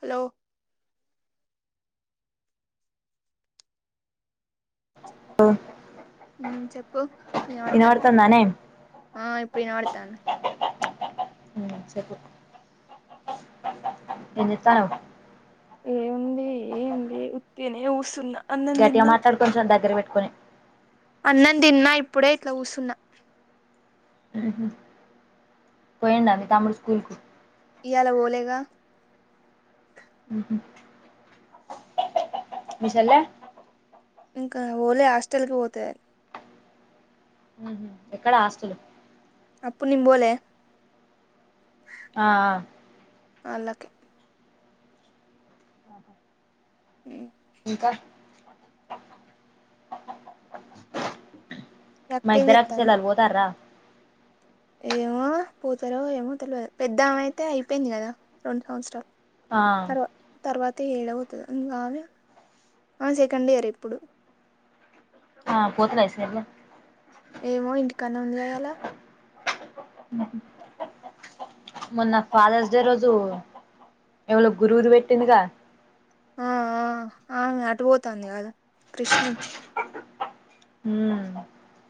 Hello అ ఊ చెప్పు ఇనవడతంది ఇప్పుడు ఆ ఇప్పుడు ఇనవడతంది ఏం చెతనవ్ ఏముంది ఏం లేద్ ఉతినే కూసున్న అన్నం గట్గా తిన్నా మాట్లాడు కొంచెం దగ్గర పెట్టుకొని అన్నం తిన్న ఇప్పుడే ఇట్లా కూసున్నా ఊహు పోయండ మీ తముడు స్కూల్ కు ఇయలా ఓలేగా ఊహు మీ షెల్లా ఇంకా ఓలే హాస్టల్ కి పోత ఊహు ఎక్కడ హాస్టలు అప్పు నిం పోలే ఆ ఆ అలక్కె ఊ ఇంకా అక్క మరి ఏం ఇధరక చెత్తాంది చెలలు బోతరా ఏమో పోతారో ఏమో తెలియదు పెద్దమయితే అయిపోయింది కదా రెండు సంవత్సరాలు ఆ తర్వా తర్వాత అతే ఏడవోతది ఇంగ ఆమె ఆమె సెకండ్ ఇయర్ ఇప్పుడు ఆ పోతలేదా సెల్లే ఏమో ఇంటికానే వుంది కదా ఇయలా ఊహు మొన్న ఫాదర్స్ డే రోజు ఎవళో గురువుది పెట్టిందిగా ఆ ఆ ఆమె అటు పోతంది కాద క్రిష్నున్ ఊ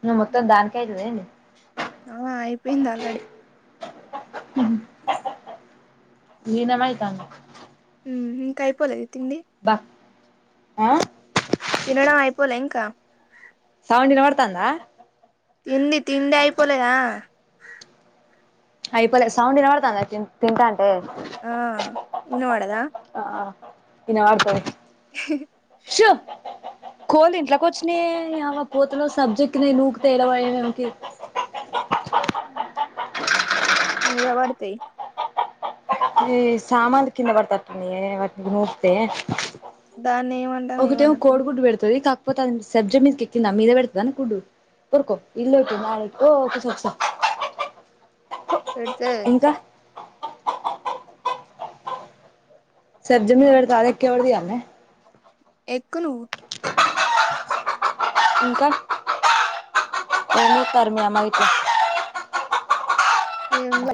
ఇగ మొత్తం దానికే ఐతద ఏంది ఆ అయిపోయింది ఆల్రెడీ ఉ ఏమన్నైతాందా ఇంక ఐపోలేదా తిండి ఆ తినడం అయిపోలే ఇంకా సౌండ్ కారతందా తిండి తిండి అయిపోలేదా అయిపోలే సౌండ్ కారుతుంది తింటాఉంటే ఆ ఇన్న వాదా ఇనా ఆడుతయి కోళ్ళు ఇంట్లోకి వచ్చినయిమ పోతను్ సబ్జెక్ట్ న నూకుతే ఎలాకి ఉమ్ నువ్వు ఏవరితి ఈ సామాన్లు కింద బడ్డట్లున్నాయి [unintelligible] నూర్తే దాన్ని ఏమంటాం ఒకటేమ ఏమనకు మరి కోడిగుడ్టు పెడుతుది కా పోతా సెబ్జ మీద కెక్కిందా మీద పెడతుదా కుడ్డు ఉర్కో ఇల్క న ఓఓకే స సార్ పెడితే సబ్జా మీద పెడితే ఆడ ఎక్కి ఎవరు తీయాల్నే ఎక్కు నువ్వు ఇంకా ఎన్న పర్మియామ ఇతే ఏందో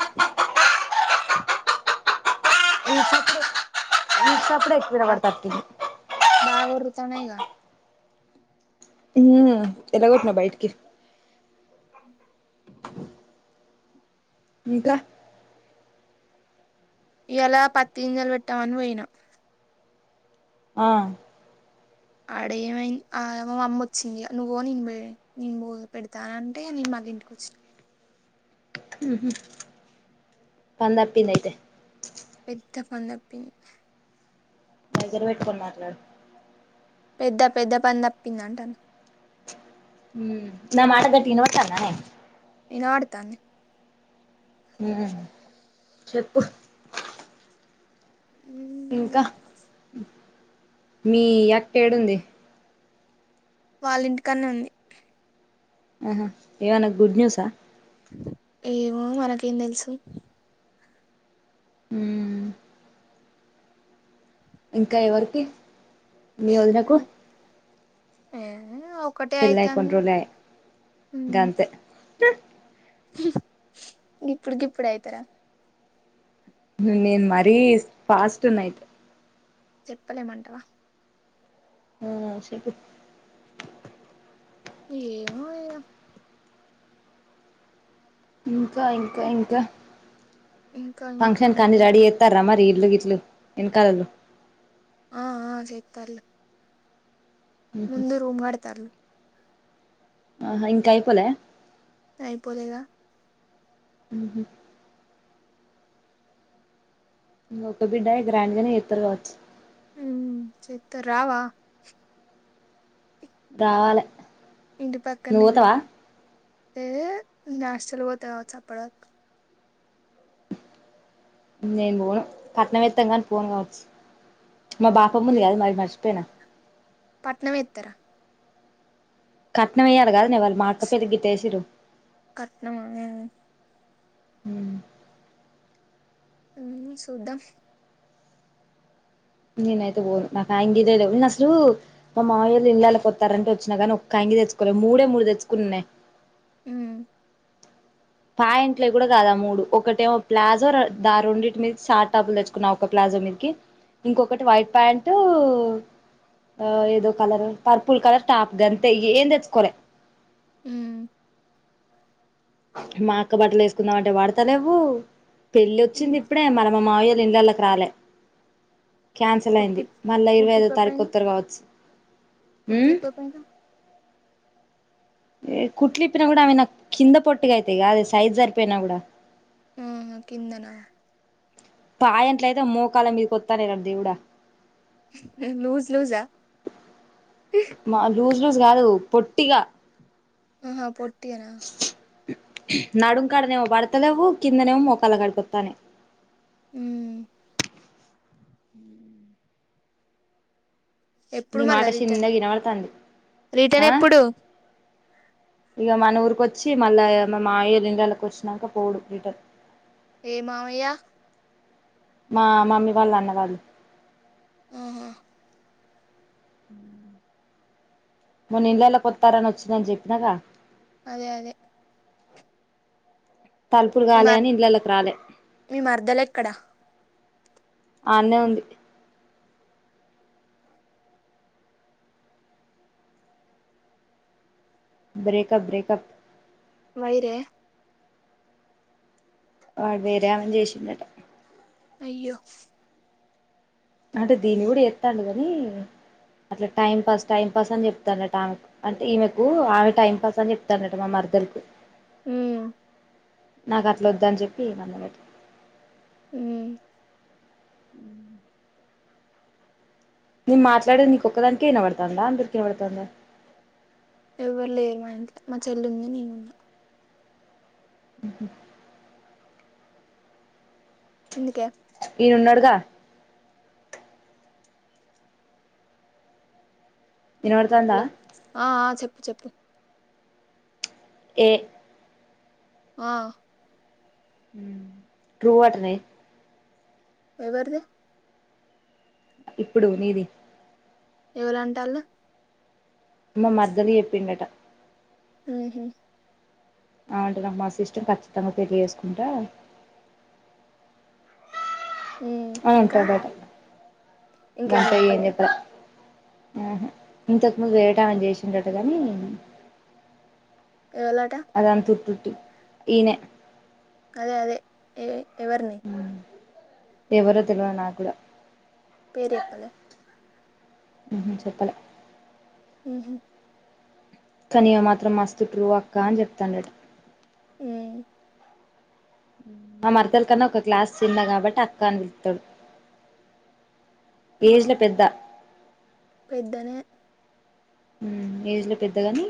వీటి సప్పుడు వీటి సప్పుడే ఎక్కువ వినబడేతట్టుంది స్తున్నాయిగా హ్మ్ ఎలాగొట్నా బైటికి ఇంకా ఈయాల పత్తి గింజలు పెట్టామని పోయినా ఆ ఆడేమైంది ఆ మా అమ్మ వచ్చింది ఇగ నువ్ పొ నేను పె నేనుపొ పెడతానంటే నేన్ మ మళ్లీ ఇంటికొచ్చిన ఊ హు పనితప్పింది అయితే తప్పనేతప్పింది దగ్గర పెట్టుకొని మాట్లాడు పెద్ద పెద్దపని తప్పింది అంటనా హ్మ్ నా మాట గట్టిగా వినపడుతుందా నే వినపడ్తాంది హ్మ్ చెప్పు ఇంకా మీ అక్క ఏడుంది వాళ్ళ ఇంటికన్నే ఉంది ఆహా ఏవన్నా గుడ్ న్యూస్ఆ ఏమో మనకేం తెలుసు హ్మ్ ఇంకా ఎవరికి మీ వదినకు ఏ ఒకటే పెళ్లిఅయికా అయితాంది ఒంట్లో బాలే గంతే గిప్పుడు గిప్పుడు అయితారా నేను మరీ ఫాస్ట్ నైట్ చెప్పలేమంటావా హ్మ్ సెపు ఏమో ఇంకా ఇంకా ఇంకా ఇంకా ఇంకా ఫంక్షన్ కానీ రెడీ చేత్తారా మరి ఇల్లు గిట్లు వెనకాలలో ఆహ్ అహ్ చెట్టరులే ముందు రూమ్ కడత్తారూ ఆహా ఇంకా అయిపోలే అయిపోలేదా ఉహూ ఒకే బిడ్డ అని గ్రాండ్ గానే చేత్తారు కావచ్చు చేస్తే రావా రావాలే ఇంటి పక్కనేనే ఏ నేను హాస్టల్‌కి పోత కావచ్చు అప్పటివరకు నేను పోను క ట్నం వేత్తంగాని పోను కావచ్చు మా బాపమ్మ ఏ ఉంది కాదే మరి మర్చపోయినా పట్నం ఎత్తరా కట్నం ఏ య్యాలి కాదనే వాళ్ళు మాఅక్క పెళ్లికి గిట్టేసిర్రు కట్నమా హ్మ్ ఏమో సూద్దం నేనైతే పోను నాకు ఆయంగిలెలేవ్ నెను అసలు మా మవయోళ్ళు ఇల్లు అలాకొత్తారంటే వచ్చినా కానీ ఒక్క యంగి తెచ్చుకోలే మూడే మూడు తెచ్చుకున్నానే ఉమ్ పాయింట్లే కూడా కాదు ఆ మూడు ఒకటేమో ప్లాజో దా రెండింటి మీదకి షార్ట్ టాప్లు తెచ్చుకున్నా ఒక ప్లా జో మీదకి ఇంకొకటి వైట్ ప్యాంటు ఆ ఏదో కలర్ పర్పుల్ కలర్ టాప్ గంటే ఇంకా ఏమి తెచ్చకోలే ఉమ్ మా అక్క బట్టలు వేసుకుందామ అంటే ప డతా లేవు పెళ్లి వచ్చింది ఇప్పుడే మరి మా మావ ఇళ్లకి రాలే క్యాన్సల్ కుట్టి అయింది మళ్ళా ఇరవై ఐదో తారీఖు కొత్తరు కావచ్చు కుట్లు ఉమ్ ఇప్పక పోయినవు ఏ కుట్లి ఇప్పినా కూడా ఆవి నా కింద పొట్టుక అయితయి అద సైజ్ సరిపోయినా కూడా ఆహ కిందనా పాయంట్లో అయితే మోకాల మీదకి వస్తానులాడి దేవుడ లూస్ లూస్ ఆ మా లూస్ లూజ్ కాదు పొట్టిగా ఆహా పొట్టిగాన నడుంకాడనేమో పడతలేవు కిందనేమో మోక్కలా కడిపోతానే హమ్ నీ ఎప్పుడు మాట మళ్ళా రిటర్న్ చిన్నగా వి నబడతాంది రిటర్న్ ఆ ఎప్పుడు ఇక మన ఊరుక వచ్చి మళ్ళా మా మామయ్య ఇళ్ళకు వచ్చినాక పోడు రిటర్న్ ఏ మామయ్య మా మమీ వాళ్ళ అన్న వాళ్ళ ఆహా హ [inaudible] మొన్న ఇళ్లేళ్ళ కొత్తారని వచ్చిందని చెప్పినాక అదే అదే తలుపులు మీ మర్ కాలేదని ఇళ్ళకి రాలే మీ మరదలు ఎక్కడ అడ్నే ఉంది బ్రేకప్ బ్రేకప్ వై రే వాడు వేరే ఆమెని చేసిండా టా అయ్యో అంటే దీని కూడా చే త్తాండు కనీ అట్లా టైం పాస్ టైం పాస్ అని చెప్తానట ఆమెకు అంటే ఈమెకు ఆమె టైం పాస్ అని చెప్తానట మా మరదలుకు అ నాకు అట్లా వద్దని చెప్పి మల్ల పెట్ట హ ఉ నేను మాట్లాడేది నీకొక్క దానికే వినబడుతాందా అందరికినబడతాందా ఎవరు లేరు మా ఇంట్లో మా చెల్లి ఉంది నేనున్నా ఉ ఎందుకే ఈయనున్నాడుగా వినబడుతాందా హలో ఆ చెప్పు చెప్పే ఎ ఆ ఉ ట్రూ అటనే ఎవరిది ఇప్పుడు నీది ఎవరు అంటాళ్ళు మా మర్ద్దలికి చెప్పిండట ఆహ ఆమంటే నాకు మస్త్ ఇస్టం ఖచ్చితంగా పెళ్లి చేసుకుంటా మ్మ్ ఇంకా అంటాడట ఇంకేమన్నా ఇంగంతే ఏం చెప్పలే చెప్పల ఆహా ఇంతకుముందు వేరేటామని చేసిండట కాని ఎవలట అదంతా ఉట్టి ఉట్టి ఈనె అదే అదే ఎవరిని ఎవరో తెలువది నా కూడా పేరు చెప్పలే ఉహు చెప్పలే ఉహు కాని ఇది మాత్రం మస్తు ట్రూ అక్క అని చెప్తాండట. ఉం మా మరదల్ కన్నా ఒక క్లాస్ చిన్న కాబట్టి అక్క అని పిలుతాడు. ఆ ఏజ్ల పెద్ద పెద్దనే ఉ ఏజ్ లో పెద్దగాని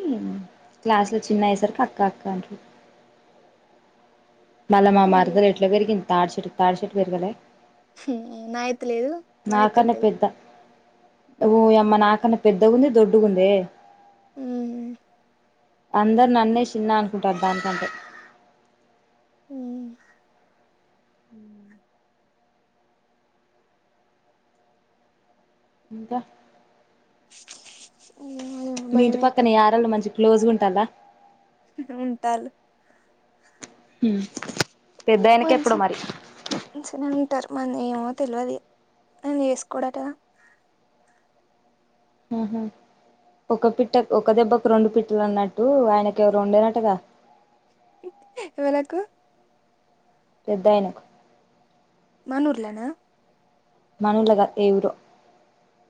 క్లాస్ లో చిన్న అయ్యే సరికి అక్క అక్క అంటాడు. [inaudible] మల్ల మా మరదలు ఎట్లా పెరిగింది తాడ్చట్ తాడిచేటు పెరగలే. నా ఎత్తు లేదు మన ఎత్తు ఉంటది. ఓ యమ్మ నాకన్నా పెద్దగుంది దొడ్డుగుందే. ఉం అందరు నన్నే చిన్న అనుకుంటారు దానికంటే ఉ హ ఇంకా [inaudible] మీ ఇంటి పక్కనే భయమైతాంది ఆడోళ్ళు మంచిగ క్లోజ్ గా ఉంటాలా ఉంటాళ్ళు ఉ పెద్దాయనకు ఎప్పుడు మరి. అంటారు మరి ఏమో తెలివది ఇగ ఆయన చేసుకోడట. ఉహు ఒక పిట్ట ఒక దెబ్బకు రెండు పిట్టలు అన్నట్టు ఆయనకి ఎవరో ఉండేనటగా. ఎవలకు పెద్దాయనకు మనుర్లోనా మన ఊర్ల గాదు ఏవురో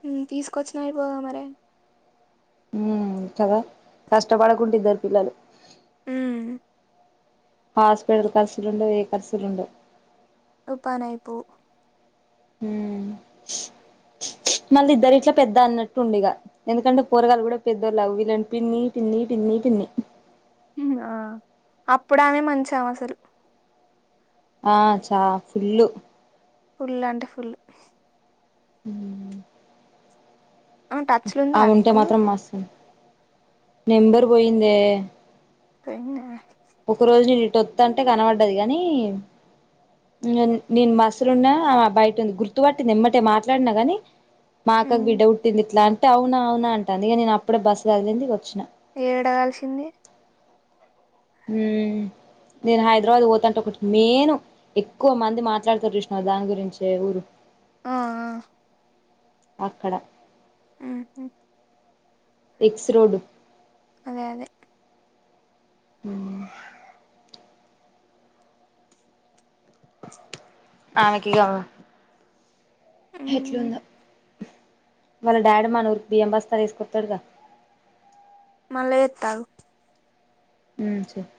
ఉం తీసుకొచ్చిన అయిపోవుగా మరి ఉం కదా కష్టపడకుంట ఇద్దరు పిల్లలు. ఉం హాస్పిటల్ కరుసులుండవు ఏ కరుసులు ఉండవు. ఓ పనైపోవు. ఉం [inaudible] మళ్ళీ ఇద్దరు ఇట్లా పెద్ద అన్నట్టు ఉండు ఇగా ఎందుకంటే పోరగాలు కూడా పెద్దోళవు వీళ్ళని పిన్ని పిన్ని పి న్నీ ఆ అప్పుడు ఆమె మంచి ఆమె అసలు ఆ చా ఫుల్లు ఫుల్ అంటే ఫుల్లు. ఉం ఆమె టచ్ లో ఉందా ఆమె ఉంటే నీకు మాత్రం మస్తుఉండు నెంబరు పోయిందే. పోయిందా. ఒక రోజు నేను ఇటోత్తంటే కనపడ్డది కానీ నేను బసులున్నా బయట ఉంది గుర్తుపట్టింది ఎమ్మటే మాట్లాడినా కాగాని మా అక్కకు బిడ్డ పుట్టింది ఇట్లా అంటే అవునా అవునా అంటాంది ఇక నేను అప్పుడే బస్సు కదిలింది వచ్చిన ఏడల్సింది. ఉం నేను హైదరాబాద్ పోతుంటే ఒకటి మెయిన్ ఎక్కువ మంది మాట్లాడుతారు చుసినవ దానీ గురించే ఊరు ఆ ఆ అక్కడ ఎక్స్ రోడ్ అదే అదే ఉం ఆమెకి కా [unintelligible] ఎట్లుందో వాళ్ళ డాడీ మనూరికి బియ్యం బస్తాలు వేసుకొత్తడుగా మళ్ళ చేత్త ఆగు ఉం చెయ్